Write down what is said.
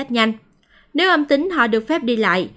nếu âm tính họ được phép đi lại